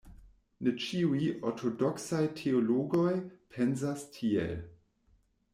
Ne ĉiuj ortodoksaj teologoj pensas tiel.